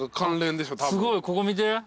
すごいここ見て。